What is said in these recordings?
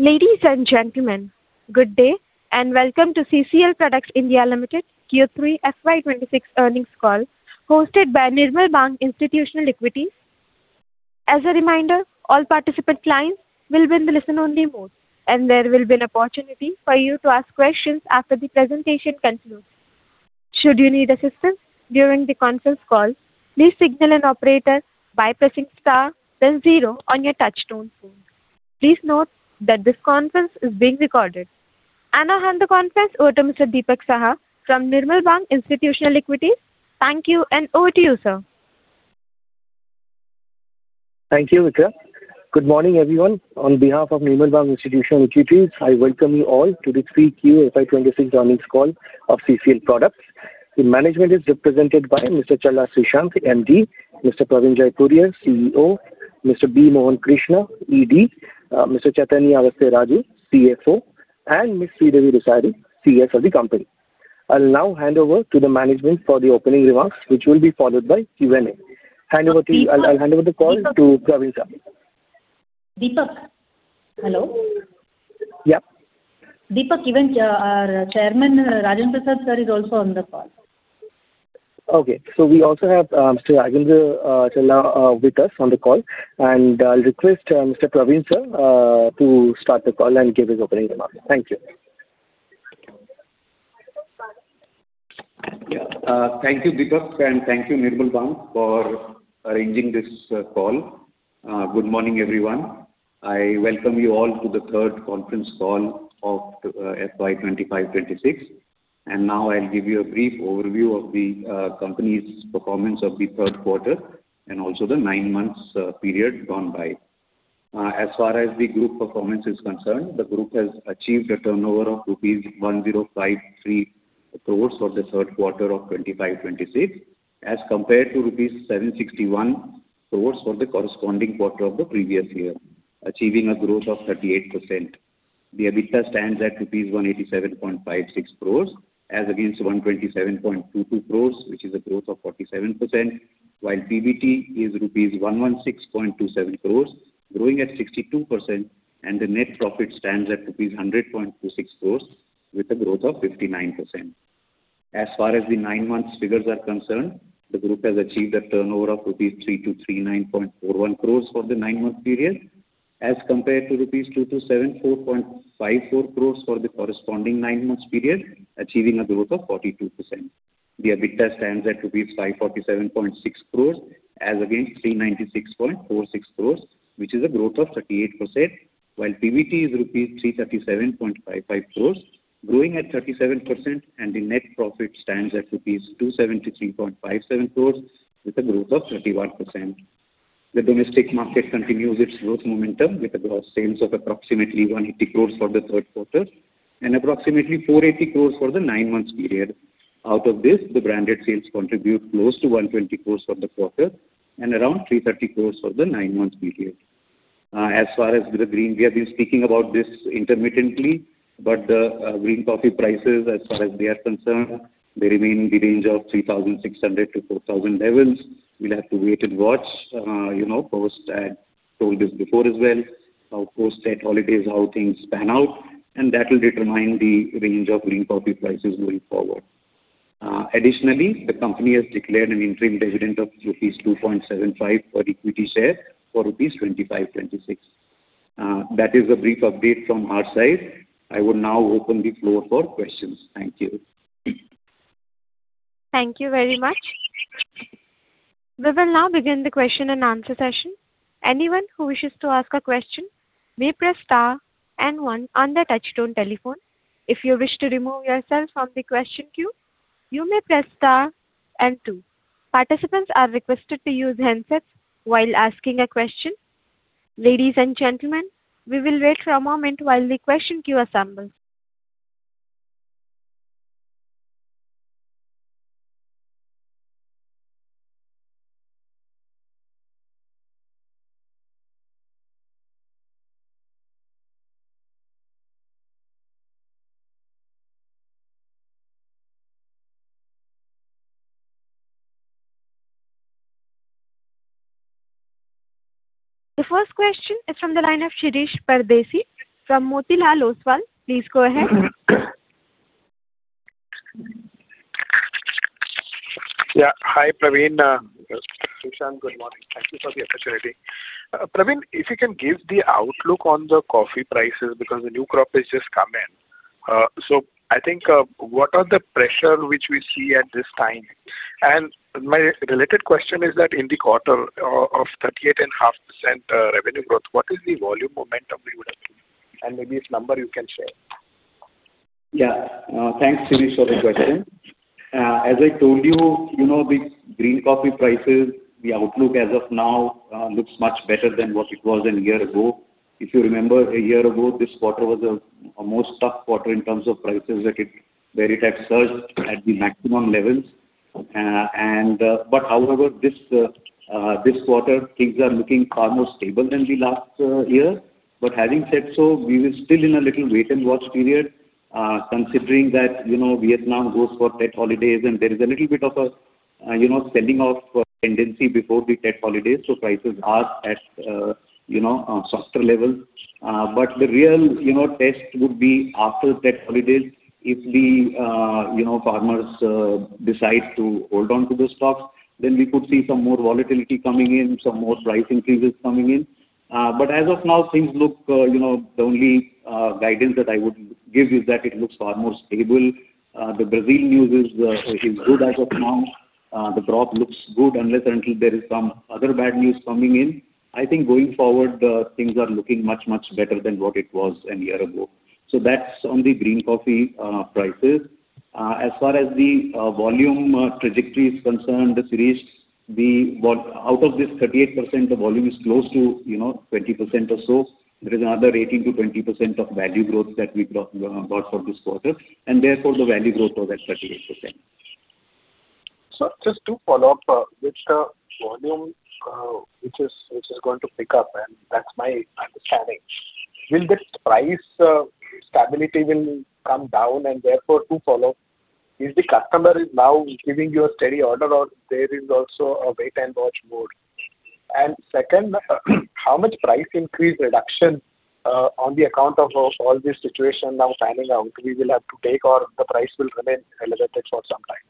Ladies and gentlemen, good day, and Welcome to CCL Products (India) Limited Q3 FY 2026 Earnings Call, hosted by Nirmal Bang Institutional Equities. As a reminder, all participant clients will be in the listen-only mode, and there will be an opportunity for you to ask questions after the presentation concludes. Should you need assistance during the conference call, please signal an operator by pressing star then zero on your touchtone phone. Please note that this conference is being recorded. I hand the conference over to Mr. Dipak Saha from Nirmal Bang Institutional Equities. Thank you, and over to you, sir. Thank you, Ikra. Good morning, everyone. On behalf of Nirmal Bang Institutional Equities, I welcome you all to the 3Q FY 2026 Earnings Call of CCL Products. The management is represented by Mr. Challa Srishant, MD; Mr. Praveen Jaipuriar, CEO; Mr. B. Mohan Krishna, ED; Mr. Chaitanya Avasarala Raju, CFO; and Ms. Sridevi Dasari, CS of the company. I'll now hand over to the management for the opening remarks, which will be followed by Q&A. I'll hand over the call to Praveen, sir. Dipak, hello? Yeah. Dipak, even our chairman, Rajendra Prasad sir, is also on the call. Okay, so we also have Mr. Rajendra Challa with us on the call, and I'll request Mr. Praveen, sir, to start the call and give his opening remarks. Thank you. Yeah. Thank you, Dipak, and thank you, Nirmal Bang, for arranging this call. Good morning, everyone. I welcome you all to the third conference call of FY 25-26. Now I'll give you a brief overview of the company's performance of the third quarter and also the nine months period gone by. As far as the group performance is concerned, the group has achieved a turnover of rupees 1,053 crores for the third quarter of 25-26, as compared to rupees 761 crores for the corresponding quarter of the previous year, achieving a growth of 38%. The EBITDA stands at rupees 187.56 crores, as against 127.22 crores, which is a growth of 47%, while PBT is rupees 116.27 crores, growing at 62%, and the net profit stands at rupees 100.26 crores, with a growth of 59%. As far as the nine-month figures are concerned, the group has achieved a turnover of rupees 3,239.41 crores for the nine-month period, as compared to rupees 2,274.54 crores for the corresponding nine months period, achieving a growth of 42%. The EBITDA stands at rupees 547.6 crores, as against 396.46 crores, which is a growth of 38%, while PBT is rupees 337.55 crores, growing at 37%, and the net profit stands at rupees 273.57 crores with a growth of 31%. The domestic market continues its growth momentum, with gross sales of approximately 180 crores for the third quarter and approximately 480 crores for the nine months period. Out of this, the branded sales contribute close to 120 crores for the quarter and around 330 crores for the nine months period. As far as the green, we have been speaking about this intermittently, but the green coffee prices, as far as we are concerned, they remain in the range of 3,600-4,000 levels. We'll have to wait and watch, you know, told this before as well, how post Tet holidays, how things pan out, and that will determine the range of green coffee prices going forward. Additionally, the company has declared an interim dividend of rupees 2.75 per equity share forFY 2025, 2026. That is a brief update from our side. I will now open the floor for questions. Thank you. Thank you very much. We will now begin the question and answer session. Anyone who wishes to ask a question may press star and one on their touchtone telephone. If you wish to remove yourself from the question queue, you may press star and two. Participants are requested to use handsets while asking a question. Ladies and gentlemen, we will wait for a moment while the question queue assembles. The first question is from the line of Shirish Pardeshi from Motilal Oswal. Please go ahead. Yeah. Hi, Praveen, Srishant, good morning. Thank you for the opportunity. Praveen, if you can give the outlook on the coffee prices, because the new crop has just come in. So I think, what are the pressure which we see at this time? And my related question is that in the quarter of 38.5% revenue growth, what is the volume momentum we would have, and maybe its number you can share? Yeah. Thanks, Shirish, for the question. As I told you, you know, the green coffee prices, the outlook as of now, looks much better than what it was a year ago. If you remember, a year ago, this quarter was a more tough quarter in terms of prices where it had surged at the maximum levels. And, but however, this quarter, things are looking far more stable than the last year. But having said so, we were still in a little wait and watch period, considering that, you know, Vietnam goes for Tet holidays, and there is a little bit of, you know, selling off tendency before the Tet holidays, so prices are at, you know, a softer level. But the real, you know, test would be after Tet holidays. If the, you know, farmers decide to hold on to the stocks, then we could see some more volatility coming in, some more price increases coming in. But as of now, things look, you know, the only guidance that I would give you is that it looks far more stable. The Brazil news is good as of now. The crop looks good, unless until there is some other bad news coming in. I think going forward, things are looking much, much better than what it was a year ago. So that's on the green coffee prices. As far as the volume trajectory is concerned, this reached the what, out of this 38%, the volume is close to, you know, 20% or so. There is another 18%-20% of value growth that we brought, got for this quarter, and therefore, the value growth was at 38%. Sir, just to follow up, with the volume, which is, which is going to pick up, and that's my understanding. Will this price, stability will come down, and therefore, to follow, is the customer is now giving you a steady order or there is also a wait-and-watch mode? And second, how much price increase reduction, on the account of all this situation now panning out, we will have to take, or the price will remain elevated for some time?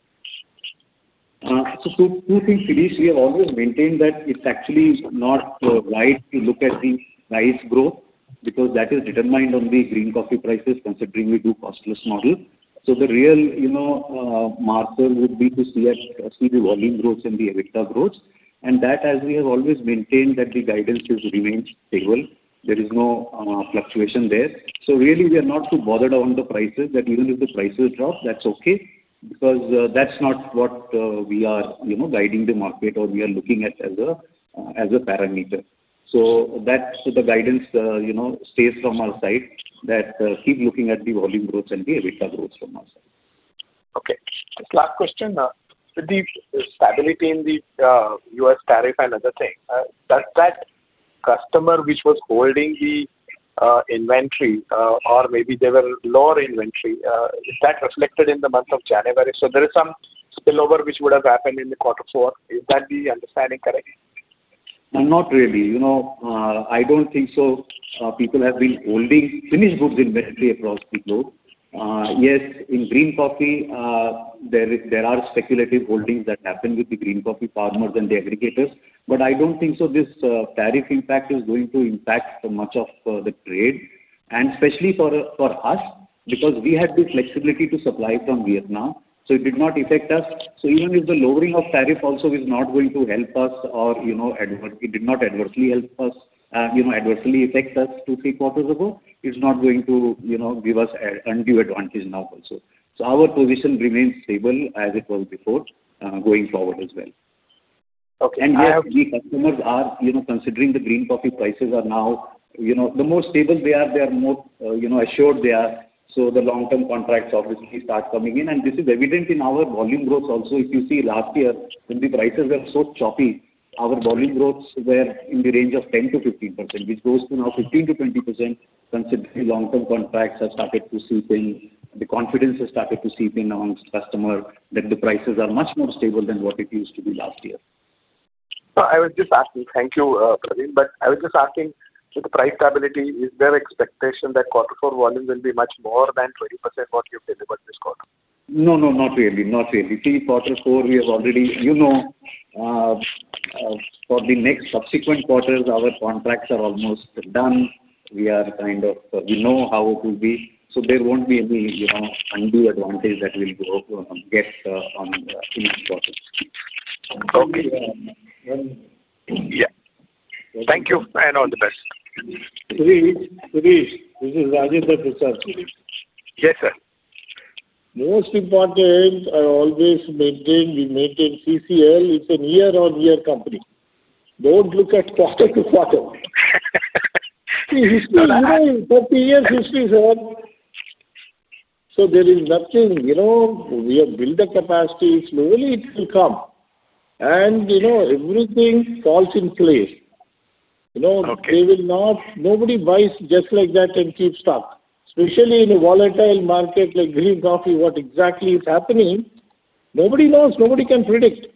So two things, Shirish. We have always maintained that it's actually not right to look at the price growth, because that is determined on the green coffee prices, considering we do cost-plus model. So the real, you know, marker would be to see at, see the volume growth and the EBITDA growth. And that, as we have always maintained, that the guidance has remained stable. There is no, fluctuation there. So really, we are not too bothered on the prices, that even if the prices drop, that's okay, because, that's not what, we are, you know, guiding the market or we are looking at as a, as a parameter. So that's the guidance, you know, stays from our side, that, keep looking at the volume growth and the EBITDA growth from our side. Okay. Last question, with the stability in the U.S. tariff and other thing, does that customer which was holding the inventory, or maybe they were lower inventory, is that reflected in the month of January? So there is some spillover which would have happened in the quarter four. Is that the understanding correct? Not really. You know, I don't think so. People have been holding finished goods inventory across the globe. Yes, in green coffee, there are speculative holdings that happen with the green coffee farmers and the aggregators, but I don't think so this tariff impact is going to impact so much of the trade, and especially for us, because we had the flexibility to supply from Vietnam, so it did not affect us. So even if the lowering of tariff also is not going to help us or, you know, adverse-- it did not adversely help us, you know, adversely affect us 2, 3 quarters ago, it's not going to, you know, give us an undue advantage now also. So our position remains stable as it was before, going forward as well. Okay. The customers are, you know, considering the green coffee prices are now, you know, the more stable they are, they are more, you know, assured they are. So the long-term contracts obviously start coming in, and this is evident in our volume growth also. If you see last year, when the prices were so choppy, our volume growths were in the range of 10%-15%, which goes to now 15%-20%, considering long-term contracts have started to seep in, the confidence has started to seep in on customer, that the prices are much more stable than what it used to be last year. So I was just asking. Thank you, Praveen, but I was just asking, so the price stability, is there expectation that quarter four volumes will be much more than 20% what you've delivered this quarter? No, no, not really. Not really. See, quarter four, we have already, you know, for the next subsequent quarters, our contracts are almost done. We are kind of, we know how it will be. So there won't be any, you know, undue advantage that we'll go get on in this quarter. Okay. Yeah. Thank you, and all the best. Shirish, Shirish, this is Rajendra Prasad speaking. Yes, sir. Most important, I always maintain, we maintain CCL. It's a year-on-year company. Don't look at quarter-to-quarter. The history, you know, 30 years history, sir. So there is nothing, you know, we have built the capacity. Slowly, it will come. And, you know, everything falls in place. You know- Okay. Nobody buys just like that and keep stock, especially in a volatile market like green coffee. What exactly is happening, nobody knows, nobody can predict.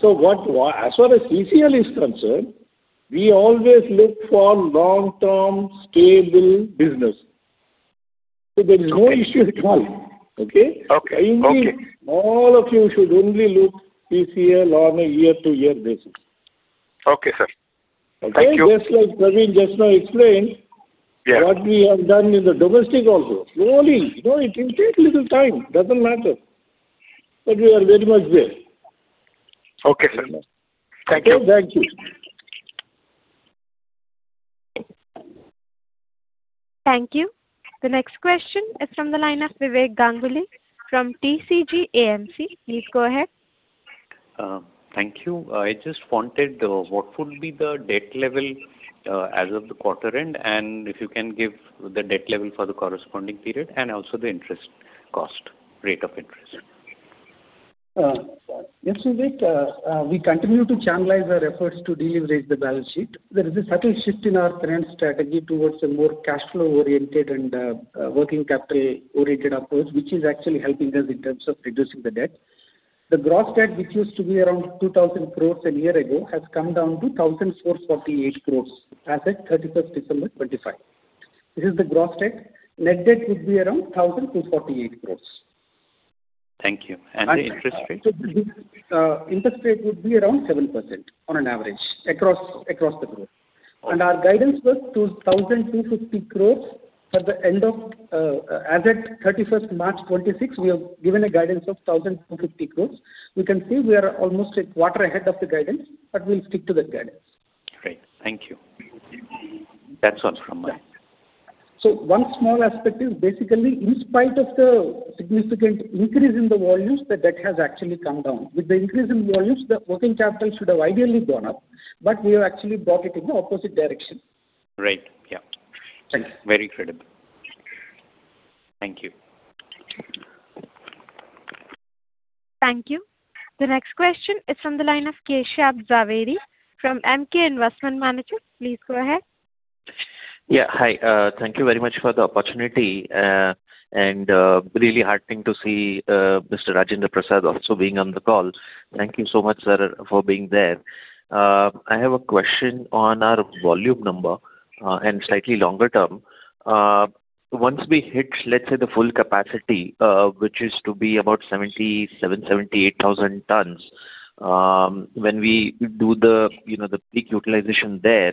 So what, as far as CCL is concerned, we always look for long-term, stable business. So there is no issue at all, okay? Okay, okay. Indeed, all of you should only look CCL on a year-to-year basis. Okay, sir. Thank you. Okay? Just like Praveen just now explained- Yeah. What we have done in the domestic also. Slowly, you know, it will take a little time, doesn't matter, but we are very much there. Okay, sir. Thank you. Okay, thank you. Thank you. The next question is from the line of Vivek Ganguly from TCG AMC. Please go ahead. Thank you. I just wanted, what would be the debt level, as of the quarter end? And if you can give the debt level for the corresponding period, and also the interest cost, rate of interest. Yes, Vivek, we continue to channelize our efforts to deleverage the balance sheet. There is a subtle shift in our current strategy towards a more cash flow-oriented and working capital-oriented approach, which is actually helping us in terms of reducing the debt. The gross debt, which used to be around 2,000 crores a year ago, has come down to 1,448 crores as at 31 December 2025. This is the gross debt. Net debt would be around 1,248 crores. Thank you. And the interest rate? Interest rate would be around 7% on an average across the group. Okay. Our guidance was 2,250 crores for the end of, as at thirty-first March, 2026, we have given a guidance of 2,250 crores. We can see we are almost a quarter ahead of the guidance, but we'll stick to that guidance. Great. Thank you. That's all from my end. One small aspect is basically, in spite of the significant increase in the volumes, the debt has actually come down. With the increase in volumes, the working capital should have ideally gone up, but we have actually brought it in the opposite direction. Right. Yeah. Thanks. Very incredible. Thank you. Thank you. The next question is from the line of Kashyap Javeri, from Emkay Investment Managers. Please go ahead. Yeah, hi. Thank you very much for the opportunity, and really heartening to see Mr. Rajendra Prasad also being on the call. Thank you so much, sir, for being there. I have a question on our volume number, and slightly longer term. Once we hit, let's say, the full capacity, which is to be about 77,000-78,000 tons, when we do the, you know, the peak utilization there,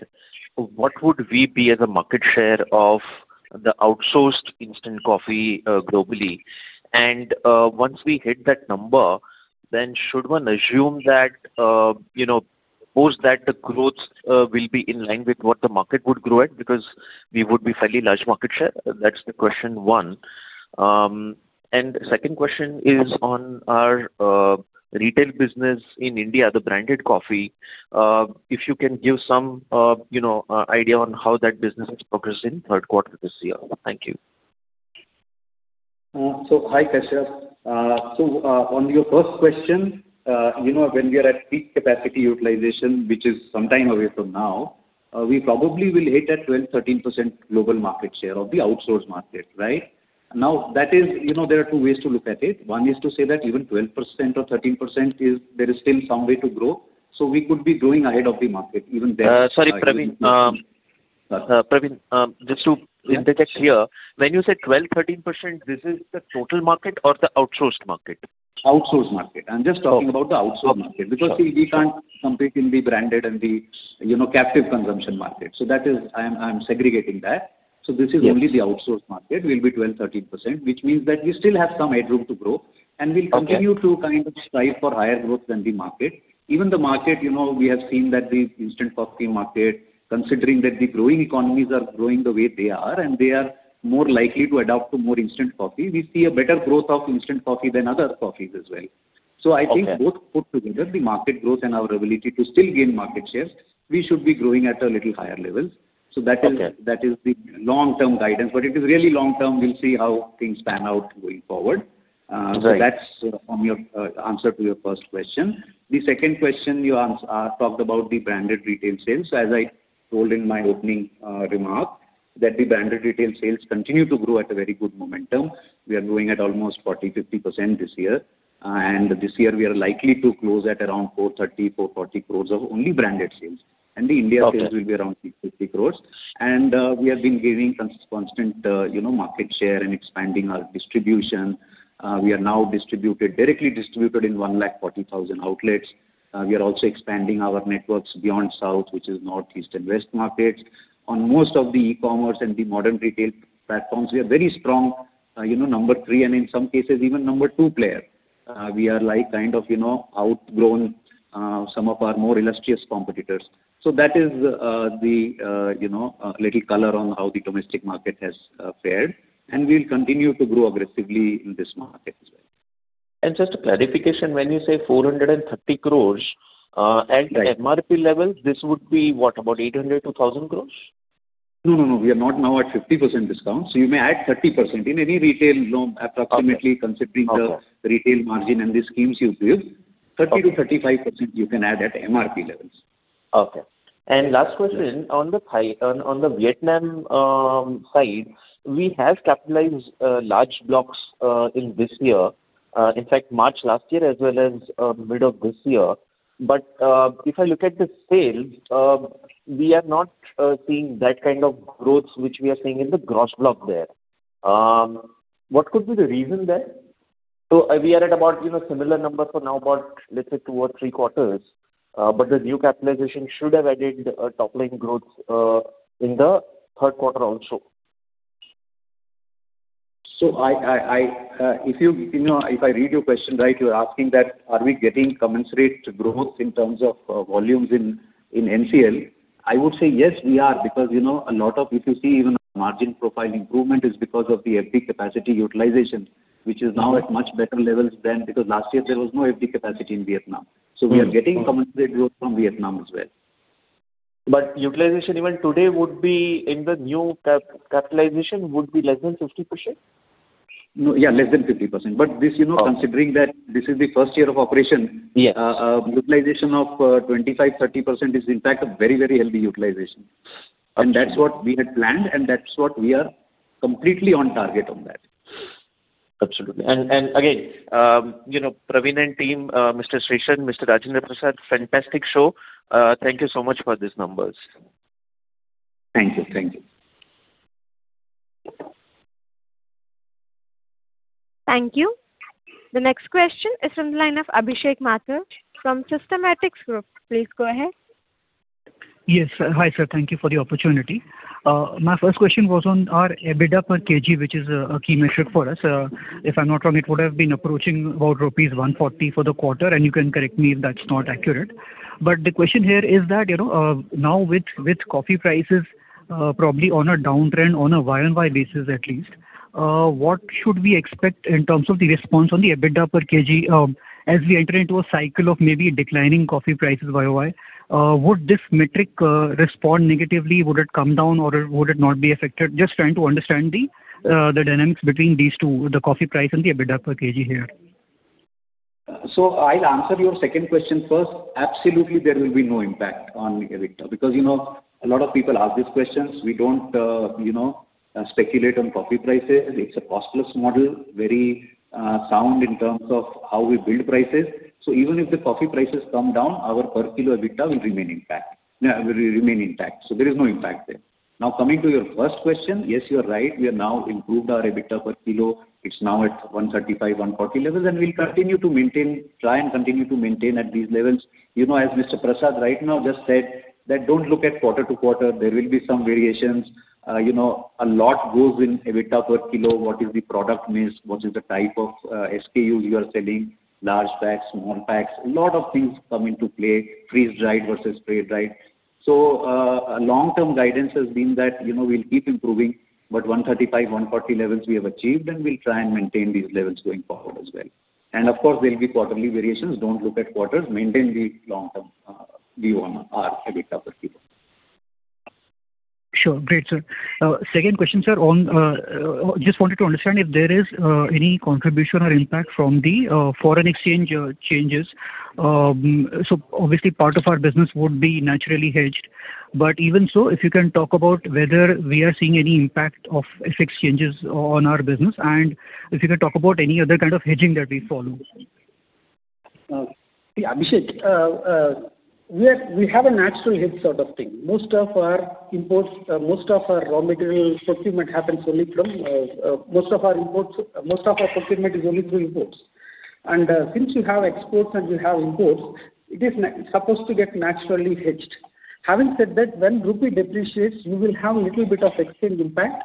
what would we be as a market share of the outsourced instant coffee, globally? And once we hit that number, then should one assume that, you know, post that the growth will be in line with what the market would grow at? Because we would be fairly large market share. That's the question one. Second question is on our retail business in India, the branded coffee. If you can give some, you know, idea on how that business has progressed in third quarter this year. Thank you. So hi, Keshav. So, on your first question, you know, when we are at peak capacity utilization, which is some time away from now, we probably will hit at 12%-13% global market share of the outsourced market, right? Now, that is, you know, there are two ways to look at it. One is to say that even 12% or 13% is there is still some way to grow, so we could be growing ahead of the market, even then- Sorry, Praveen, just to interject here, when you say 12%-13%, this is the total market or the outsourced market? Outsourced market. Okay. I'm just talking about the outsourced market- Okay. because we can't compete in the branded and the, you know, captive consumption market. So that is I am segregating that. Yes. This is only the outsourced market, will be 12%-13%, which means that we still have some headroom to grow. Okay. We'll continue to kind of strive for higher growth than the market. Even the market, you know, we have seen that the instant coffee market, considering that the growing economies are growing the way they are, and they are more likely to adopt to more instant coffee, we see a better growth of instant coffee than other coffees as well. Okay. I think both put together, the market growth and our ability to still gain market share, we should be growing at a little higher level. Okay. So that is, that is the long-term guidance. But it is really long-term, we'll see how things pan out going forward. Right. So that's from your answer to your first question. The second question, you ask, talked about the branded retail sales. As I told in my opening remark, that the branded retail sales continue to grow at a very good momentum. We are growing at almost 40%-50% this year. And this year we are likely to close at around 430-440 crore of only branded sales. Okay. The India sales will be around 350 crore. We have been gaining constant, you know, market share and expanding our distribution. We are now directly distributed in 140,000 outlets. We are also expanding our networks beyond South, which is North, East, and West markets. On most of the e-commerce and the modern retail platforms, we are very strong, you know, number 3, and in some cases, even number 2 player. We are like kind of, you know, outgrown some of our more illustrious competitors. So that is, you know, little color on how the domestic market has fared, and we'll continue to grow aggressively in this market. Just a clarification, when you say 430 crore? Right At MRP levels, this would be what? About 800-1,000 crore? No, no, no. We are not now at 50% discount, so you may add 30%. In any retail, you know, approximately- Okay considering the retail margin and the schemes you give- Okay 30%-35%, you can add at MRP levels. Okay. Last question, on the capex, on the Vietnam side, we have capitalized large blocks in this year. In fact, March last year, as well as mid of this year. But if I look at the sales, we are not seeing that kind of growth which we are seeing in the gross block there. What could be the reason there? So we are at about, you know, similar numbers for now, about, let's say, two or three quarters, but the new capitalization should have added a top-line growth in the third quarter also. If you know, if I read your question right, you're asking that, are we getting commensurate growth in terms of volumes in NCL? I would say, yes, we are, because you know, a lot of, if you see even the margin profile improvement is because of the FD capacity utilization- Okay Which is now at much better levels than because last year there was no FD capacity in Vietnam. Mm-hmm. We are getting commensurate growth from Vietnam as well. Utilization even today would be, in the new capitalization, would be less than 50%? No, yeah, less than 50%. But this, you know- Okay Considering that this is the first year of operation- Yes Utilization of 25%-30% is in fact a very, very healthy utilization and that's what we had planned, and that's what we are completely on target on that. Absolutely. And again, you know, Praveen and team, Mr. Seshadri, Mr. Rajendra Prasad, fantastic show. Thank you so much for these numbers. Thank you. Thank you. Thank you. The next question is from the line of Abhishek Mathur from Systematix Group. Please go ahead. Yes, sir. Hi, sir. Thank you for the opportunity. My first question was on our EBITDA per kg, which is a key metric for us. If I'm not wrong, it would have been approaching about rupees 140 for the quarter, and you can correct me if that's not accurate. But the question here is that, you know, now with coffee prices probably on a downtrend on a year-on-year basis at least, what should we expect in terms of the response on the EBITDA per kg, as we enter into a cycle of maybe declining coffee prices year-on-year? Would this metric respond negatively? Would it come down, or would it not be affected? Just trying to understand the dynamics between these two, the coffee price and the EBITDA per kg here. So I'll answer your second question first. Absolutely, there will be no impact on EBITDA. Because, you know, a lot of people ask these questions. We don't, you know, speculate on coffee prices. It's a cost-plus model, very, sound in terms of how we build prices. So even if the coffee prices come down, our per kilo EBITDA will remain impact will remain intact. So there is no impact there. Now, coming to your first question, yes, you are right. We have now improved our EBITDA per kilo. It's now at 135-140 levels, and we'll continue to maintain. try and continue to maintain at these levels. You know, as Mr. Prasad right now just said, that don't look at quarter-to-quarter, there will be some variations. You know, a lot goes in EBITDA per kilo, what is the product mix, what is the type of SKU you are selling, large packs, small packs, a lot of things come into play, freeze-dried versus spray-dried. So, a long-term guidance has been that, you know, we'll keep improving, but 135, 140 levels we have achieved, and we'll try and maintain these levels going forward as well. And of course, there will be quarterly variations. Don't look at quarters, maintain the long-term view on our EBITDA per kilo. Sure. Great, sir. Second question, sir, on just wanted to understand if there is any contribution or impact from the foreign exchange changes. So obviously, part of our business would be naturally hedged. But even so, if you can talk about whether we are seeing any impact of FX changes on our business, and if you can talk about any other kind of hedging that we follow. Yeah, Abhishek, we are, we have a natural hedge sort of thing. Most of our imports, most of our raw material procurement happens only from, most of our imports, most of our procurement is only through imports. And, since you have exports and you have imports, it is supposed to get naturally hedged. Having said that, when rupee depreciates, you will have a little bit of exchange impact,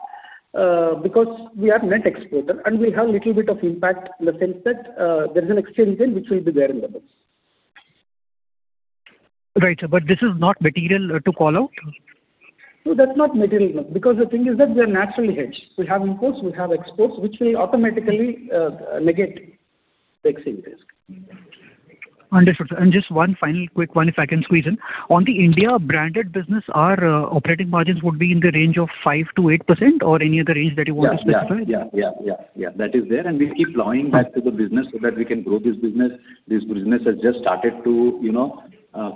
because we are net exporter, and we have a little bit of impact in the sense that, there's an exchange gain which will be there in the business. Right, sir. But this is not material to call out? No, that's not material, no. Because the thing is that we are naturally hedged. We have imports, we have exports, which will automatically negate the exchange risk. Understood, sir. Just one final quick one, if I can squeeze in. On the India branded business, our operating margins would be in the range of 5%-8%, or any other range that you want to specify? Yeah, yeah, yeah, yeah, yeah. That is there, and we'll keep plowing back to the business so that we can grow this business. This business has just started to, you know,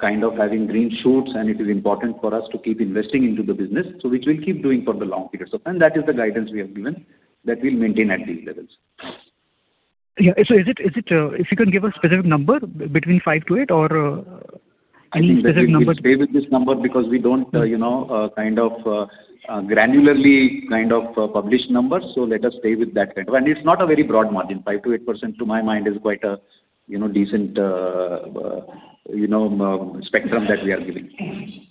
kind of having green shoots, and it is important for us to keep investing into the business, so which we'll keep doing for the long period. So and that is the guidance we have given, that we'll maintain at these levels. Yeah. So is it if you can give a specific number between 5-8 or any specific number? I think let's stay with this number because we don't, you know, kind of, granularly kind of publish numbers, so let us stay with that kind. It's not a very broad margin. 5%-8%, to my mind, is quite a, you know, decent, you know, spectrum that we are giving.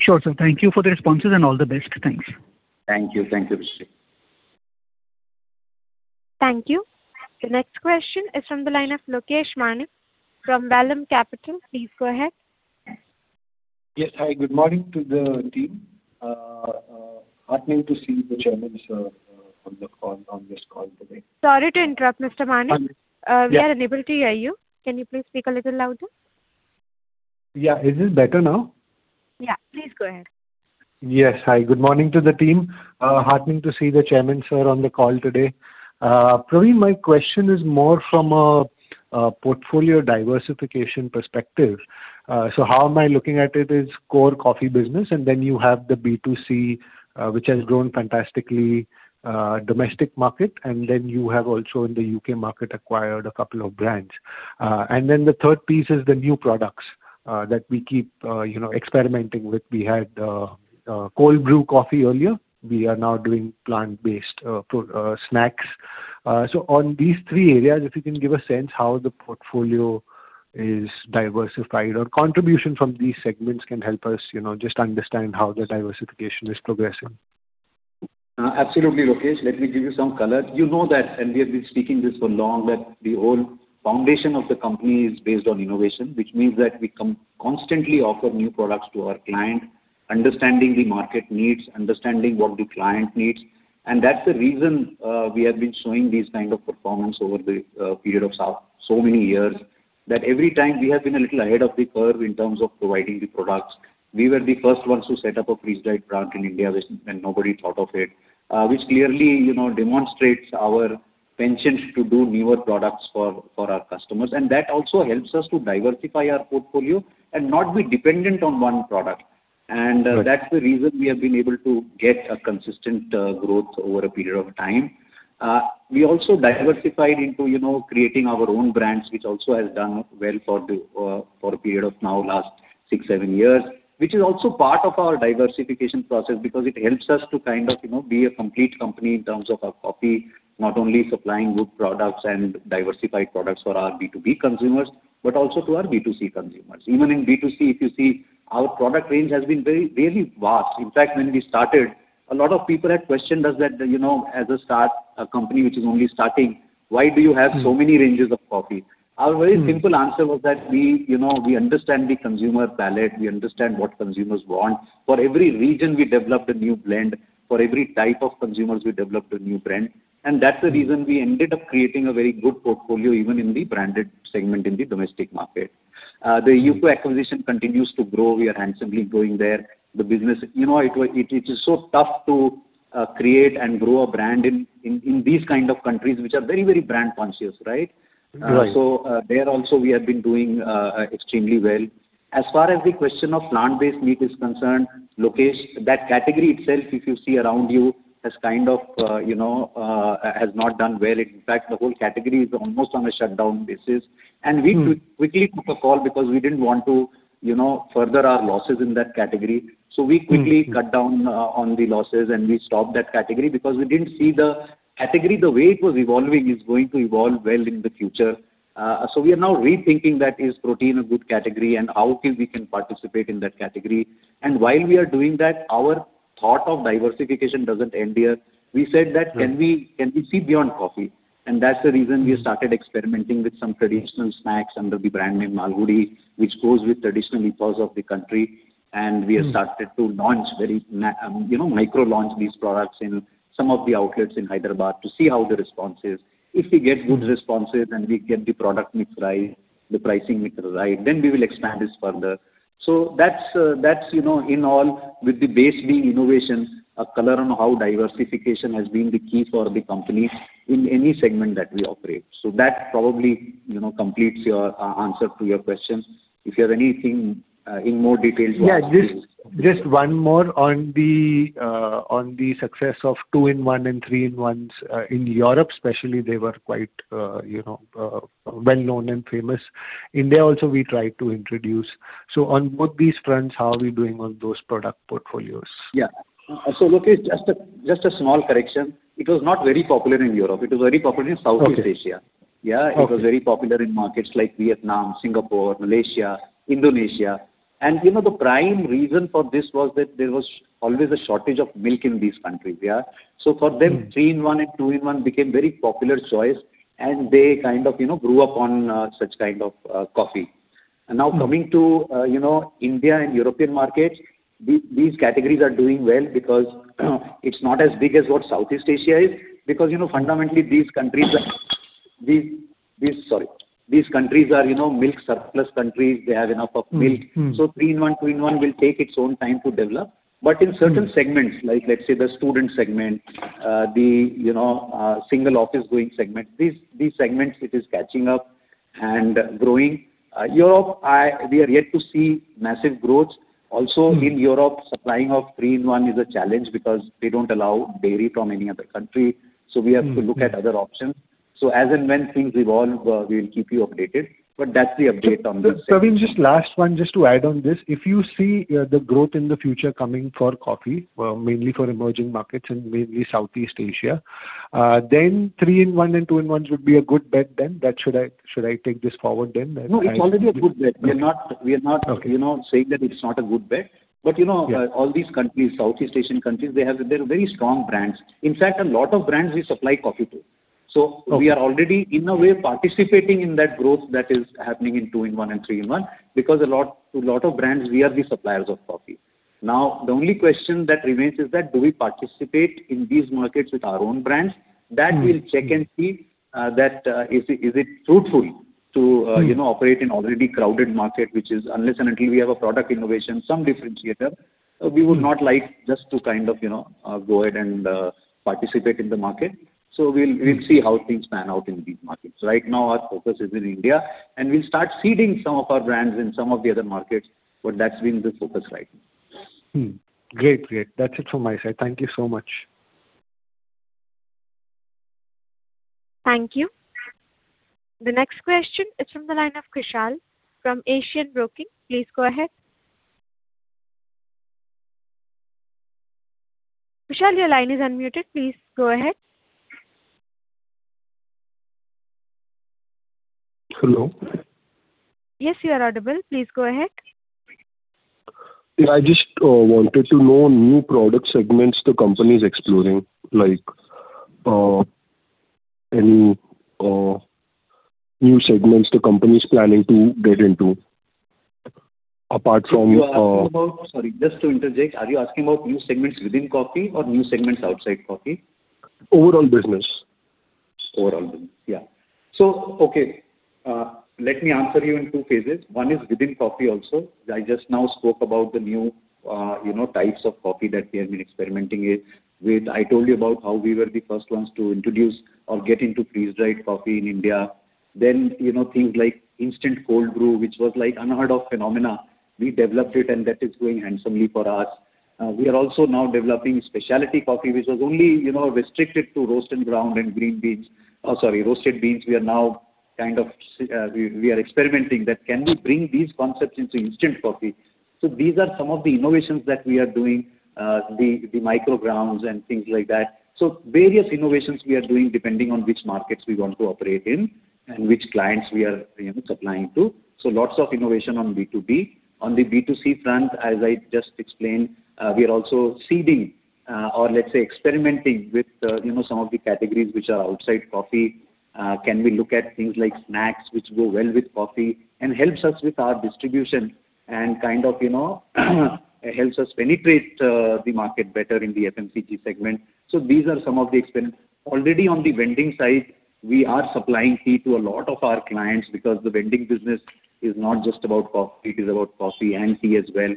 Sure, sir. Thank you for the responses, and all the best. Thanks. Thank you. Thank you, Abhishek. Thank you. The next question is from the line of Lokesh Manik from Vallum Capital. Please go ahead. Yes. Hi, good morning to the team. Heartening to see the chairman, sir, on the call, on this call today. Sorry to interrupt, Mr. Manik. Yeah. We are unable to hear you. Can you please speak a little louder? Yeah. Is this better now? Yeah, please go ahead. Yes. Hi, good morning to the team. Heartening to see the chairman, sir, on the call today. Praveen, my question is more from a portfolio diversification perspective. So how am I looking at it is core coffee business, and then you have the B2C, which has grown fantastically, domestic market, and then you have also in the U.K. market acquired a couple of brands. And then the third piece is the new products that we keep, you know, experimenting with. We had cold brew coffee earlier. We are now doing plant-based protein snacks. So on these three areas, if you can give a sense how the portfolio is diversified, or contribution from these segments can help us, you know, just understand how the diversification is progressing. Absolutely, Lokesh. Let me give you some color. You know that, and we have been speaking this for long, that the whole foundation of the company is based on innovation, which means that we constantly offer new products to our client, understanding the market needs, understanding what the client needs. And that's the reason, we have been showing these kind of performance over the period of so many years. That every time we have been a little ahead of the curve in terms of providing the products. We were the first ones to set up a freeze-dried plant in India, when nobody thought of it, which clearly, you know, demonstrates our penchant to do newer products for our customers. And that also helps us to diversify our portfolio and not be dependent on one product. That's the reason we have been able to get a consistent growth over a period of time. We also diversified into, you know, creating our own brands, which also has done well for the, for a period of now last six, seven years, which is also part of our diversification process, because it helps us to kind of, you know, be a complete company in terms of our coffee, not only supplying good products and diversified products for our B2B consumers, but also to our B2C consumers. Even in B2C, if you see, our product range has been very, very vast. In fact, when we started, a lot of people had questioned us that, you know, as a start, a company which is only starting, why do you have so many ranges of coffee? Our very simple answer was that we, you know, we understand the consumer palate, we understand what consumers want. For every region, we developed a new blend. For every type of consumers, we developed a new brand, and that's the reason we ended up creating a very good portfolio, even in the branded segment in the domestic market. The U.K. acquisition continues to grow. We are handsomely growing there. The business, you know, it is so tough to create and grow a brand in these kind of countries, which are very, very brand conscious, right? Right. So, there also, we have been doing extremely well. As far as the question of plant-based meat is concerned, Lokesh, that category itself, if you see around you, has kind of, you know, has not done well. In fact, the whole category is almost on a shutdown basis. Mm. We quickly took a call because we didn't want to, you know, further our losses in that category. Mm. So we quickly cut down on the losses, and we stopped that category because we didn't see the category, the way it was evolving, is going to evolve well in the future. So we are now rethinking that, is protein a good category, and how can we participate in that category? And while we are doing that, our thought of diversification doesn't end here. Right. We said that, "Can we, can we see beyond coffee?" And that's the reason we started experimenting with some traditional snacks under the brand name, Malgudi, which goes with traditional ethos of the country. Mm. We have started to launch, you know, micro-launch these products in some of the outlets in Hyderabad to see how the response is. If we get good responses and we get the product mix right, the pricing mix right, then we will expand this further. So that's, that's, you know, in all, with the base being innovation, a color on how diversification has been the key for the company in any segment that we operate. So that probably, you know, completes your answer to your question. If you have anything in more detail to ask, please. Yeah, just, just one more on the success of two-in-one and three-in-ones. In Europe especially, they were quite, you know, well-known and famous. India also, we tried to introduce. So on both these fronts, how are we doing on those product portfolios? Yeah. So Lokesh, just a small correction. It was not very popular in Europe. It was very popular in Southeast Asia. Okay. Yeah. Okay. It was very popular in markets like Vietnam, Singapore, Malaysia, Indonesia. And you know, the prime reason for this was that there was always a shortage of milk in these countries, yeah? So for them three-in-one and two-in-one became very popular choice, and they kind of, you know, grew up on, such kind of, coffee. And now coming to, you know, India and European markets, these categories are doing well because it's not as big as what Southeast Asia is. Because, you know, fundamentally, these countries are, you know, milk surplus countries. They have enough of milk. 3-in-1, 2-in-1 will take its own time to develop. But in certain segments, like, let's say, the student segment, the, you know, single office-going segment, these, these segments, it is catching up and growing. Europe, I we are yet to see massive growth. Also, in Europe, supplying of three-in-one is a challenge because they don't allow dairy from any other country. So we have to look at other options. So as and when things evolve, we'll keep you updated, but that's the update on this segment. Look, Praveen, just last one, just to add on this. If you see, the growth in the future coming for coffee, mainly for emerging markets and mainly Southeast Asia, then three-in-one and two-in-ones would be a good bet then? That should I, should I take this forward then? And I- No, it's already a good bet. Okay. We are not Okay you know, saying that it's not a good bet. Yeah. You know, all these countries, Southeast Asian countries, they have very strong brands. In fact, a lot of brands we supply coffee to. Okay. So we are already, in a way, participating in that growth that is happening in two-in-one and three-in-one, because a lot, to lot of brands, we are the suppliers of coffee. Now, the only question that remains is that, do we participate in these markets with our own brands? That we'll check and see, that, is it, is it fruitful to, you know, operate in already crowded market, which is unless and until we have a product innovation, some differentiator. We would not like just to kind of, you know, go ahead and participate in the market. So we'll, we'll see how things pan out in these markets. Right now, our focus is in India, and we'll start seeding some of our brands in some of the other markets, but that's been the focus right now. Great, great. That's it from my side. Thank you so much. Thank you. The next question is from the line of Kushal from Asian Broking. Please go ahead. Kushal, your line is unmuted. Please, go ahead. Hello? Yes, you are audible. Please, go ahead. Yeah, I just wanted to know new product segments the company is exploring, like, any new segments the company is planning to get into, apart from- You are asking about. Sorry, just to interject, are you asking about new segments within coffee or new segments outside coffee? Overall business. Overall business. Yeah. So, okay, let me answer you in two phases. One is within coffee also. I just now spoke about the new, you know, types of coffee that we have been experimenting with. I told you about how we were the first ones to introduce or get into freeze-dried coffee in India. Then, you know, things like instant cold brew, which was like unheard-of phenomena. We developed it, and that is going handsomely for us. We are also now developing specialty coffee, which was only, you know, restricted to roast and ground and green beans. Sorry, roasted beans. We are now kind of, we are experimenting that can we bring these concepts into instant coffee? So these are some of the innovations that we are doing, the micrograms and things like that. Various innovations we are doing, depending on which markets we want to operate in and which clients we are, you know, supplying to. Lots of innovation on B2B. On the B2C front, as I just explained, we are also seeding, or let's say, experimenting with, you know, some of the categories which are outside coffee. Can we look at things like snacks which go well with coffee and helps us with our distribution and kind of, you know, helps us penetrate the market better in the FMCG segment. These are some of the experiments. Already on the vending side, we are supplying tea to a lot of our clients because the vending business is not just about coffee, it is about coffee and tea as well.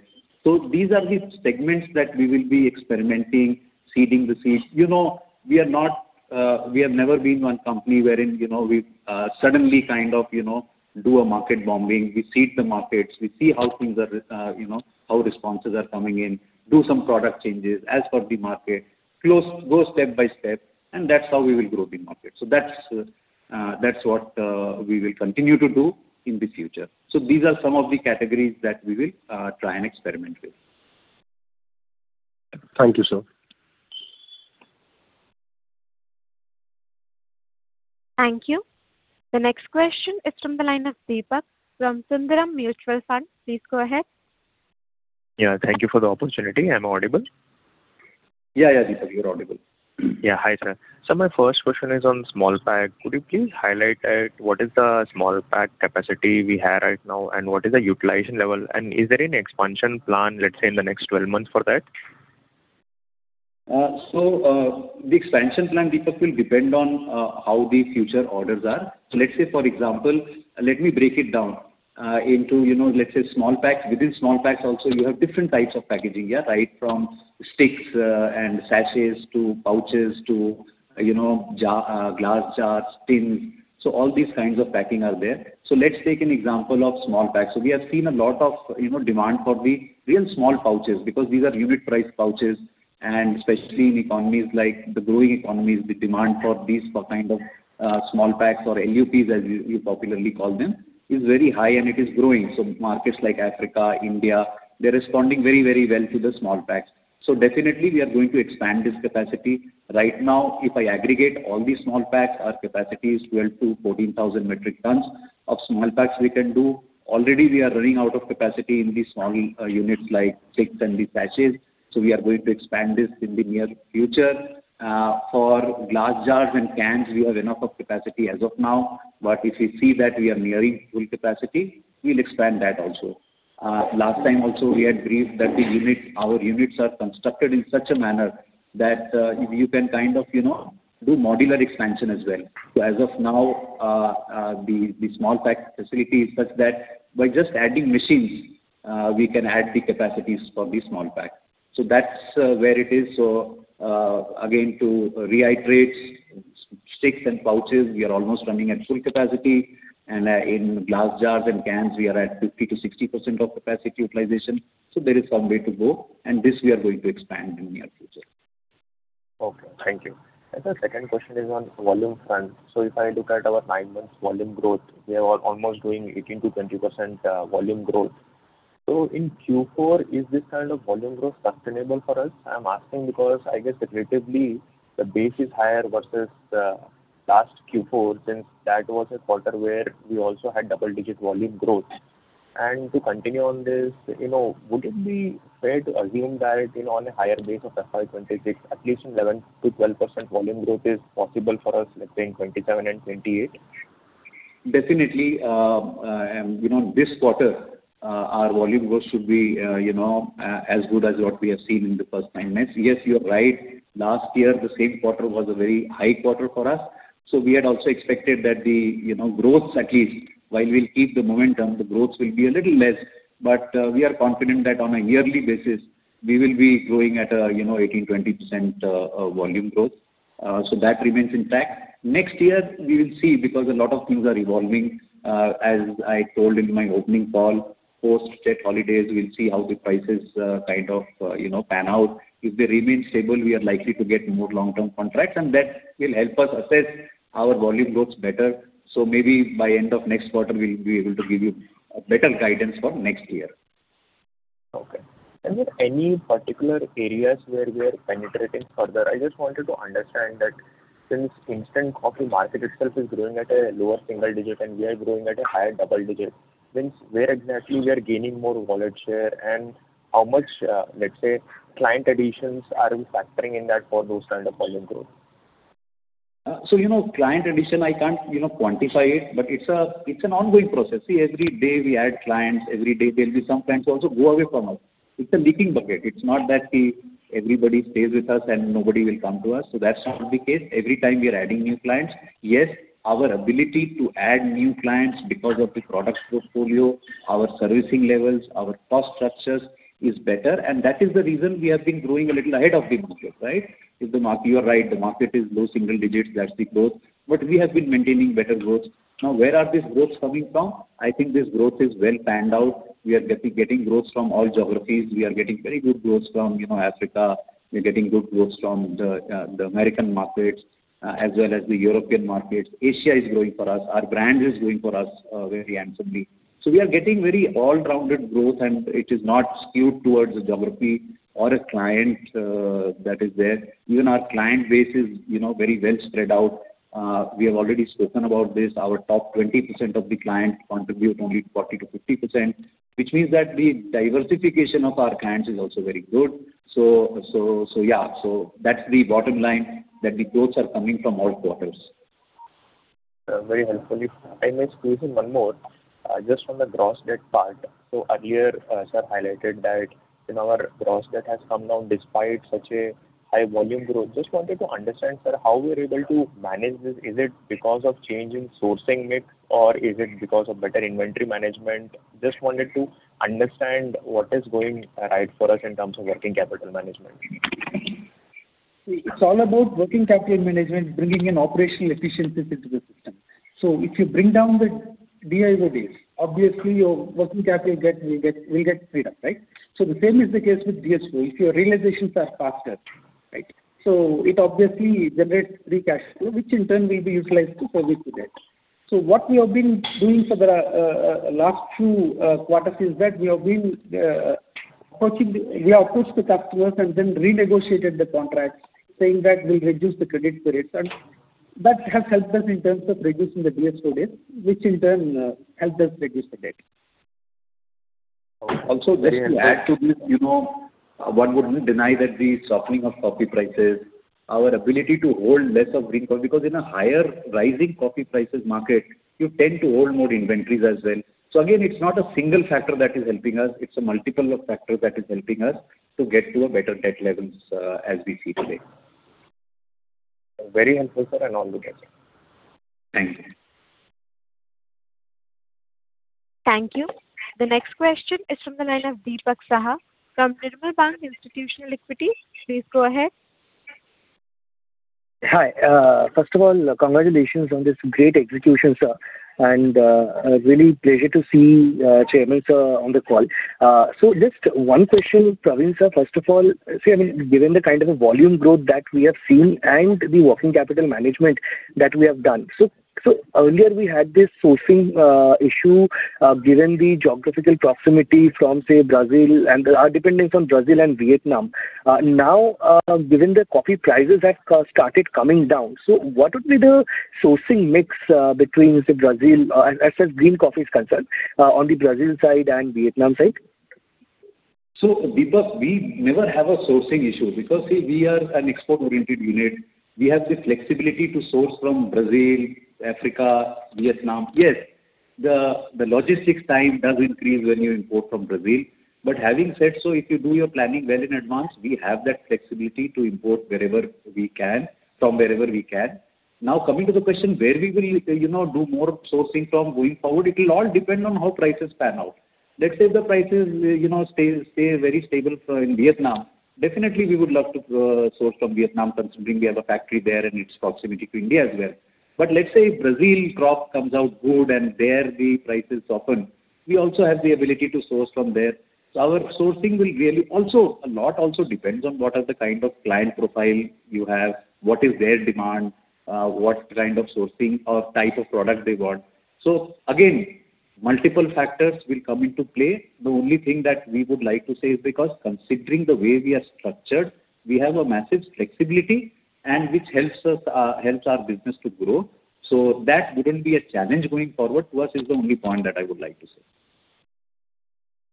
These are the segments that we will be experimenting, seeding the seeds. You know, we are not, we have never been one company wherein, you know, we suddenly kind of, you know, do a market bombing. We seed the markets, we see how things are, you know, how responses are coming in, do some product changes as per the market, go step by step, and that's how we will grow the market. So that's, that's what we will continue to do in the future. So these are some of the categories that we will try and experiment with. Thank you, sir. Thank you. The next question is from the line of Deepak from Sundaram Mutual Fund. Please go ahead. Yeah, thank you for the opportunity. Am I audible? Yeah, yeah, Deepak, you're audible. Yeah, hi, sir. So my first question is on small pack. Could you please highlight at what is the small pack capacity we have right now, and what is the utilization level, and is there any expansion plan, let's say, in the next 12 months for that? So, the expansion plan, Deepak, will depend on how the future orders are. So let's say, for example, let me break it down into, you know, let's say, small packs. Within small packs also, you have different types of packaging, yeah, right, from sticks and sachets to pouches to, you know, jar, glass jars, tin. So all these kinds of packing are there. So let's take an example of small packs. So we have seen a lot of, you know, demand for the real small pouches, because these are unit price pouches, and especially in economies like the growing economies, the demand for this kind of small packs or LUPs, as you popularly call them, is very high and it is growing. So markets like Africa, India, they're responding very, very well to the small packs. So definitely we are going to expand this capacity. Right now, if I aggregate all the small packs, our capacity is 12-14,000 metric tons of small packs we can do. Already we are running out of capacity in the small units like sticks and the sachets, so we are going to expand this in the near future. For glass jars and cans, we have enough of capacity as of now, but if you see that we are nearing full capacity, we'll expand that also. Last time also we had briefed that the units, our units are constructed in such a manner that you know do modular expansion as well. So as of now, the small pack facility is such that by just adding machines, we can add the capacities for the small pack. So that's where it is. So, again, to reiterate, sticks and pouches, we are almost running at full capacity, and in glass jars and cans, we are at 50%-60% of capacity utilization, so there is some way to go, and this we are going to expand in near future. Okay, thank you. And the second question is on volume front. So if I look at our nine months volume growth, we are almost doing 18%-20% volume growth. So in Q4, is this kind of volume growth sustainable for us? I'm asking because I guess relatively the base is higher versus last Q4, since that was a quarter where we also had double-digit volume growth. And to continue on this, you know, would it be fair to assume that in on a higher base of FY 2026, at least 11%-12% volume growth is possible for us, let's say, in 2027 and 2028? Definitely, you know, this quarter, our volume growth should be, you know, as good as what we have seen in the first nine months. Yes, you are right. Last year, the same quarter was a very high quarter for us, so we had also expected that the, you know, growth at least, while we'll keep the momentum, the growth will be a little less. But, we are confident that on a yearly basis, we will be growing at a, you know, 18%-20% volume growth. So that remains intact. Next year, we will see, because a lot of things are evolving. As I told in my opening call, post-state holidays, we'll see how the prices, kind of, you know, pan out. If they remain stable, we are likely to get more long-term contracts, and that will help us assess our volume growth better. So maybe by end of next quarter, we'll be able to give you a better guidance for next year. Okay. Are there any particular areas where we are penetrating further? I just wanted to understand that since instant coffee market itself is growing at a lower single digit, and we are growing at a higher double digit, means where exactly we are gaining more volume share and how much, let's say, client additions are we factoring in that for those kind of volume growth? So you know, client addition, I can't, you know, quantify it, but it's an ongoing process. See, every day we add clients, every day there'll be some clients who also go away from us. It's a leaking bucket. It's not that everybody stays with us, and nobody will come to us, so that's not the case. Every time we are adding new clients. Yes, our ability to add new clients because of the product portfolio, our servicing levels, our cost structures, is better, and that is the reason we have been growing a little ahead of the market, right? If the market- You are right, the market is low single digits, that's the growth. But we have been maintaining better growth. Now, where are these growths coming from? I think this growth is well planned out. We are getting growth from all geographies. We are getting very good growth from, you know, Africa. We're getting good growth from the American markets, as well as the European markets. Asia is growing for us. Our brand is growing for us, very handsomely. So we are getting very all-rounded growth, and it is not skewed towards a geography or a client, that is there. Even our client base is, you know, very well spread out. We have already spoken about this. Our top 20% of the clients contribute only 40%-50%, which means that the diversification of our clients is also very good. So, yeah, so that's the bottom line, that the growths are coming from all quarters. Very helpful. I may squeeze in one more. Just from the gross debt part. So earlier, sir highlighted that our gross debt has come down despite such a high volume growth. Just wanted to understand, sir, how we are able to manage this. Is it because of change in sourcing mix, or is it because of better inventory management? Just wanted to understand what is going right for us in terms of working capital management. See, it's all about working capital management, bringing in operational efficiencies into the system. So if you bring down the DIO days, obviously, your working capital debt will get, will get freed up, right? So the same is the case with DSO. If your realizations are faster, right? So it obviously generates free cash flow, which in turn will be utilized to service the debt. So what we have been doing for the last few quarters is that we have been approaching the. We approached the customers and then renegotiated the contracts, saying that we'll reduce the credit periods. And that has helped us in terms of reducing the DSO days, which in turn helped us reduce the debt. Also, just to add to this, you know, one wouldn't deny that the softening of coffee prices, our ability to hold less of green coffee, because in a higher rising coffee prices market, you tend to hold more inventories as well. So again, it's not a single factor that is helping us, it's a multiple of factors that is helping us to get to a better debt levels, as we see today. Very helpful, sir, and all the best. Thank you. Thank you. The next question is from the line of Dipak Saha from Nirmal Bang Institutional Equites. Please go ahead. Hi. First of all, congratulations on this great execution, sir, and really pleasure to see Chairman, sir, on the call. So just one question, Praveen, sir. First of all, see, I mean, given the kind of a volume growth that we have seen and the working capital management that we have done. So earlier we had this sourcing issue, given the geographical proximity from, say, Brazil, and depending from Brazil and Vietnam. Now, given the coffee prices have started coming down, so what would be the sourcing mix, between, say, Brazil, as far as green coffee is concerned, on the Brazil side and Vietnam side? So, Dipak, we never have a sourcing issue, because, see, we are an export-oriented unit. We have the flexibility to source from Brazil, Africa, Vietnam. Yes, the logistics time does increase when you import from Brazil. But having said so, if you do your planning well in advance, we have that flexibility to import wherever we can, from wherever we can. Now, coming to the question, where we will, you know, do more sourcing from going forward, it will all depend on how prices pan out. Let's say the prices, you know, stay very stable in Vietnam. Definitely, we would love to source from Vietnam, considering we have a factory there and its proximity to India as well. But let's say Brazil crop comes out good, and there the price is soften, we also have the ability to source from there. So our sourcing will really. Also, a lot also depends on what are the kind of client profile you have, what is their demand, what kind of sourcing or type of product they want. So again, multiple factors will come into play. The only thing that we would like to say is because considering the way we are structured, we have a massive flexibility and which helps us, helps our business to grow. So that wouldn't be a challenge going forward to us, is the only point that I would like to say.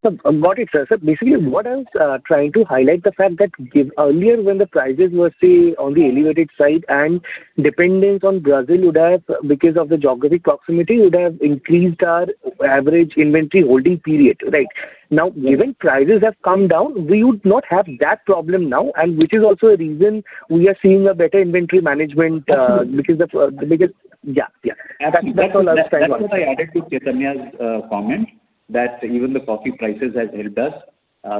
Sir, got it, sir. Sir, basically, what I was trying to highlight the fact that earlier when the prices were, say, on the elevated side, and dependence on Brazil would have, because of the geographic proximity, would have increased our average inventory holding period, right? Now, given prices have come down, we would not have that problem now, and which is also a reason we are seeing a better inventory management, because of the biggest. That's what I added to Chaitanya's comment, that even the coffee prices has helped us.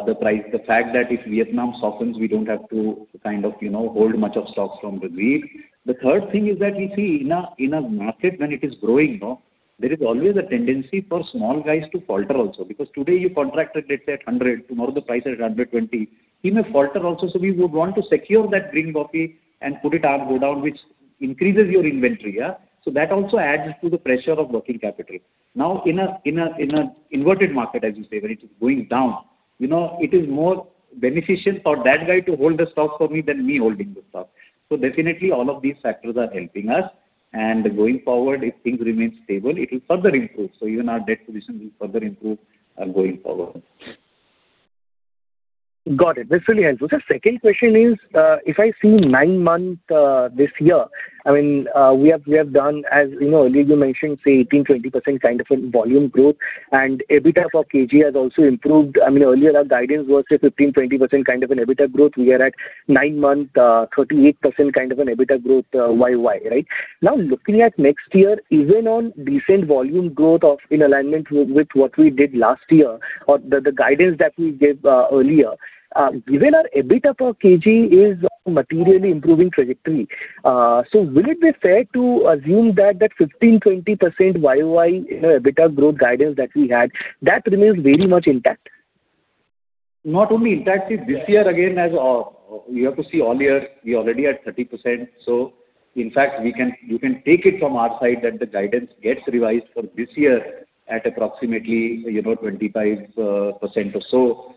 The price. The fact that if Vietnam softens, we don't have to kind of, you know, hold much of stocks from Brazil. The third thing is that we see in a, in a market, when it is growing no, there is always a tendency for small guys to falter also. Because today you contracted, let's say, at 100, tomorrow the price is at 120. He may falter also, so we would want to secure that green coffee and put it our godown, which increases your inventory, yeah? So that also adds to the pressure of working capital. Now, in an inverted market, as you say, when it is going down, you know, it is more beneficial for that guy to hold the stock for me than me holding the stock. So definitely, all of these factors are helping us. And going forward, if things remain stable, it will further improve. So even our debt position will further improve, going forward. Got it! That's really helpful. Sir, second question is, if I see nine-month this year, I mean, we have, we have done, as you know, earlier you mentioned, say, 18%-20% kind of a volume growth, and EBITDA per kg has also improved. I mean, earlier, our guidance was, say, 15%-20% kind of an EBITDA growth. We are at nine-month, 38% kind of an EBITDA growth, year-over-year, right? Now, looking at next year, even on decent volume growth of in alignment with what we did last year or the guidance that we gave, earlier, given our EBITDA per kg is materially improving trajectory, so will it be fair to assume that that 15%-20% year-over-year in EBITDA growth guidance that we had, that remains very much intact? Not only intact, see, this year, again, as you have to see all years, we're already at 30%. So in fact, you can take it from our side that the guidance gets revised for this year at approximately, you know, 25% or so.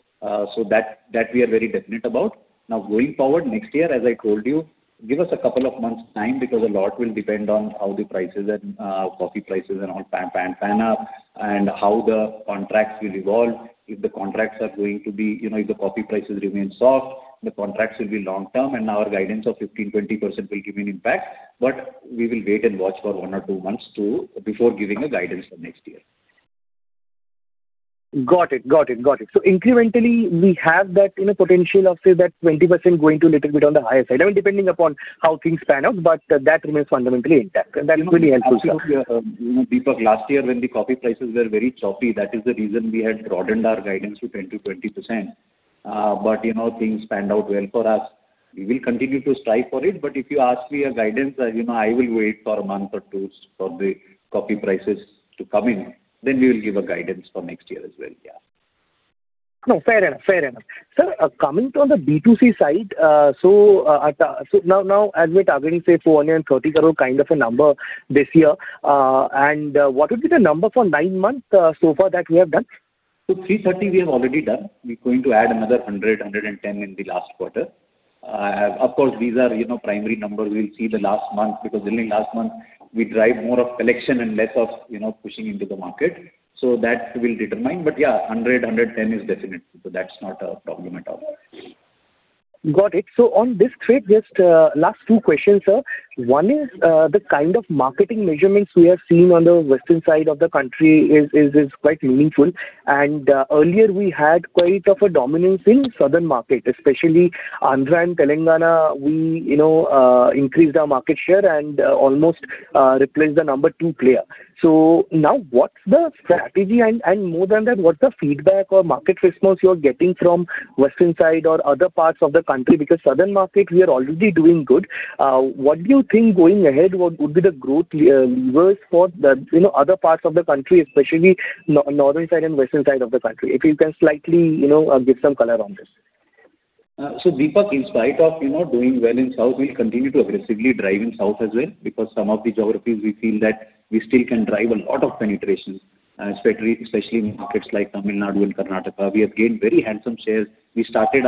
So that we are very definite about. Now, going forward, next year, as I told you, give us a couple of months' time because a lot will depend on how the prices and coffee prices and all pan out, and how the contracts will evolve. If the contracts are going to be, you know, if the coffee prices remain soft, the contracts will be long-term, and our guidance of 15%-20% will remain intact. But we will wait and watch for one or two months before giving a guidance for next year. Got it. Got it. Got it. So incrementally, we have that, you know, potential of, say, that 20% going to a little bit on the higher side, I mean, depending upon how things pan out, but that remains fundamentally intact. And that's really helpful. Dipak, last year when the coffee prices were very choppy, that is the reason we had broadened our guidance to 10%-20%. But you know, things panned out well for us. We will continue to strive for it, but if you ask me a guidance, you know, I will wait for a month or two for the coffee prices to come in, then we will give a guidance for next year as well. Yeah. No, fair enough. Fair enough. Sir, coming to on the B2C side, now as we're targeting, say, 430 crore kind of a number this year, and what would be the number for nine months so far that we have done? So 330, we have already done. We're going to add another 110 in the last quarter. Of course, these are, you know, primary numbers. We'll see the last month, because during last month, we drive more of collection and less of, you know, pushing into the market. So that will determine. But yeah, 110 is definite. So that's not a problem at all. Got it. So on this trade, just last two questions, sir. One is the kind of marketing measurements we have seen on the western side of the country is quite meaningful. And earlier, we had quite of a dominance in southern market, especially Andhra and Telangana. We, you know, increased our market share and almost replaced the number two player. So now what's the strategy? And more than that, what's the feedback or market response you're getting from western side or other parts of the country? Because southern market, we are already doing good. What do you think going ahead, what would be the growth levers for the, you know, other parts of the country, especially northern side and western side of the country? If you can slightly, you know, give some color on this. So Dipak, in spite of, you know, doing well in south, we'll continue to aggressively drive in south as well, because some of the geographies we feel that we still can drive a lot of penetration, especially, especially in markets like Tamil Nadu and Karnataka. We have gained very handsome shares. We started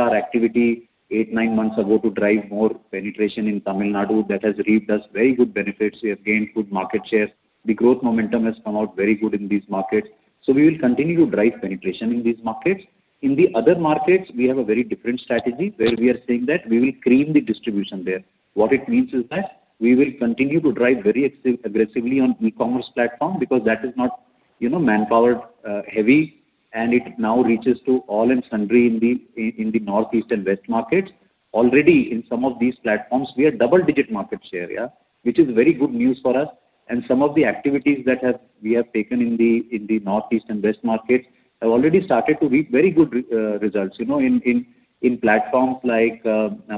our activity 8-9 months ago to drive more penetration in Tamil Nadu. That has reaped us very good benefits. We have gained good market shares. The growth momentum has come out very good in these markets. So we will continue to drive penetration in these markets. In the other markets, we have a very different strategy, where we are saying that we will cream the distribution there. What it means is that we will continue to drive very aggressively on e-commerce platform, because that is not, you know, manpower heavy, and it now reaches to all and sundry in the northeast and west markets. Already in some of these platforms, we are double-digit market share, yeah, which is very good news for us. Some of the activities that we have taken in the northeast and west markets have already started to reap very good results. You know, in platforms like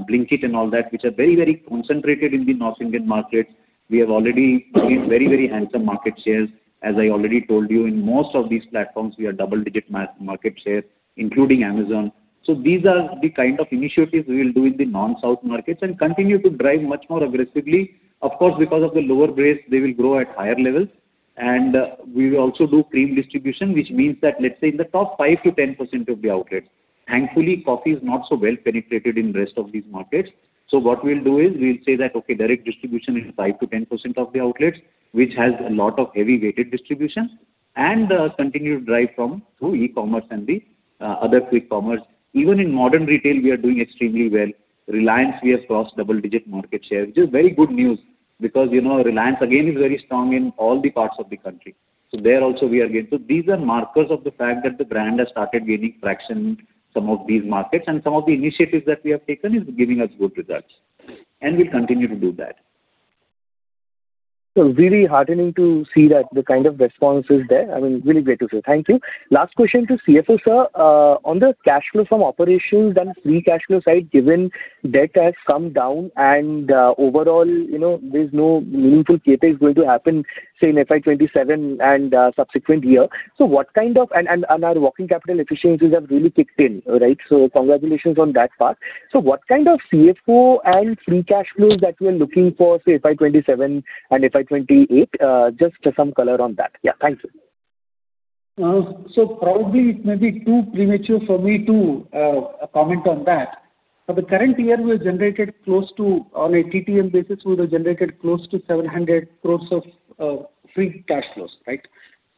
Blinkit and all that, which are very, very concentrated in the North Indian markets, we have already gained very, very handsome market shares. As I already told you, in most of these platforms, we are double digit market share, including Amazon. So these are the kind of initiatives we will do in the non-South markets and continue to drive much more aggressively. Of course, because of the lower base, they will grow at higher levels. And we will also do cream distribution, which means that, let's say, in the top 5%-10% of the outlets. Thankfully, coffee is not so well penetrated in the rest of these markets. So what we'll do is, we'll say that, okay, direct distribution in 5%-10% of the outlets, which has a lot of heavy-weighted distribution, and continue to drive from through e-commerce and the other quick commerce. Even in modern retail, we are doing extremely well. Reliance, we have crossed double-digit market share, which is very good news because, you know, Reliance again, is very strong in all the parts of the country. So there also we are getting. So these are markers of the fact that the brand has started gaining traction in some of these markets, and some of the initiatives that we have taken is giving us good results, and we'll continue to do that. So really heartening to see that the kind of response is there. I mean, really great to see. Thank you. Last question to CFO, sir. On the cash flow from operations and free cash flow side, given debt has come down and, overall, you know, there's no meaningful CapEx going to happen, say, in FY 2027 and, subsequent year. So what kind of our working capital efficiencies have really kicked in, right? So congratulations on that part. So what kind of CFO and free cash flows that we are looking for, say, FY 2027 and FY 2028? Just some color on that. Yeah, thank you. So probably it may be too premature for me to comment on that. For the current year, we have generated close to, on a TTM basis, we have generated close to 700 crore of free cash flows, right?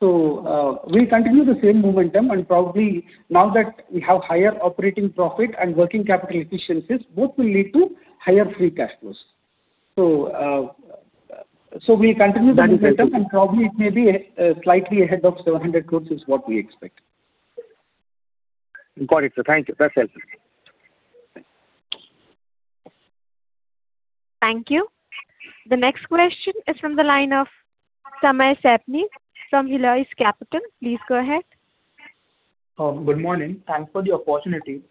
So, so we continue the same momentum, and probably now that we have higher operating profit and working capital efficiencies, both will lead to higher free cash flows. So, so we continue that momentum, and probably it may be slightly ahead of 700 crore is what we expect. Got it, sir. Thank you. That's helpful. Thank you. The next question is from the line of Samay Sapni from Hillhouse Capital. Please go ahead. Good morning. Thanks for the opportunity.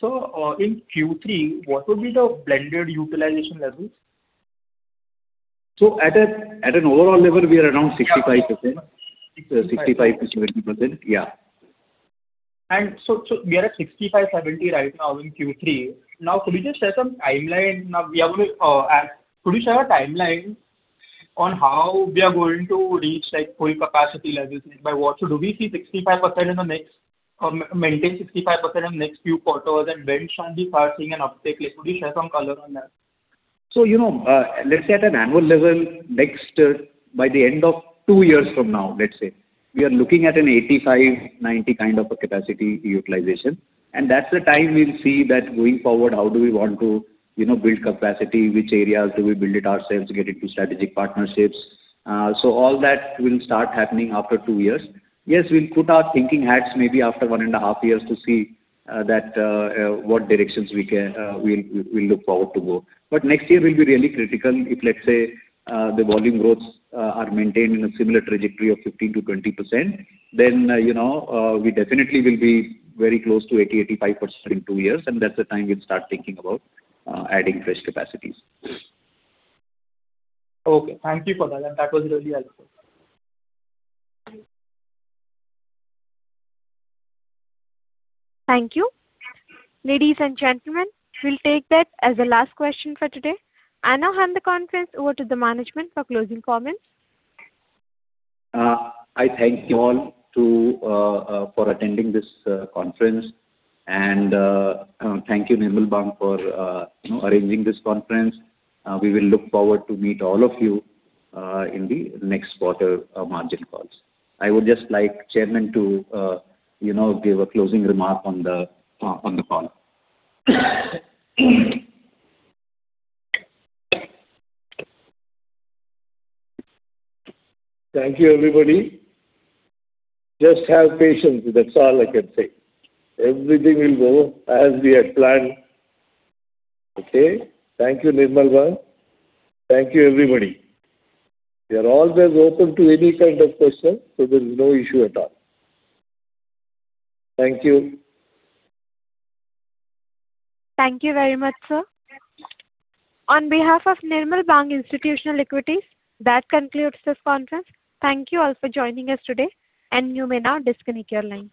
So, in Q3, what would be the blended utilization levels? So at an overall level, we are around 65%. Sixty-five. 65%-70%. Yeah. So we are at 65-70 right now in Q3. Now, could you just share some timeline? Could you share a timeline on how we are going to reach, like, full capacity levels? By what so do we see 65% in the next, or maintain 65% in the next few quarters, and when shall we be seeing an uptake? Could you share some color on that? So, you know, let's say at an annual level, next, by the end of two years from now, let's say, we are looking at an 85, 90 kind of a capacity utilization. And that's the time we'll see that going forward, how do we want to, you know, build capacity, which areas do we build it ourselves, get into strategic partnerships? So all that will start happening after two years. Yes, we'll put our thinking hats maybe after one and a half years to see, that, what directions we can, we'll, we'll look forward to go. But next year will be really critical. If, let's say, the volume growths are maintained in a similar trajectory of 15%-20%, then, you know, we definitely will be very close to 80%-85% in two years, and that's the time we'll start thinking about adding fresh capacities. Okay, thank you for that, and that was really helpful. Thank you. Ladies and gentlemen, we'll take that as the last question for today. I now hand the conference over to the management for closing comments. I thank you all to for attending this conference, and thank you, Nirmal Bang, for arranging this conference. We will look forward to meet all of you in the next quarter, earnings call. I would just like Chairman to, you know, give a closing remark on the on the call. Thank you, everybody. Just have patience, that's all I can say. Everything will go as we had planned. Okay? Thank you, Nirmal Bang. Thank you, everybody. We are always open to any kind of question, so there's no issue at all. Thank you. Thank you very much, sir. On behalf of Nirmal Bang Institutional Equities, that concludes this conference. Thank you all for joining us today, and you may now disconnect your lines.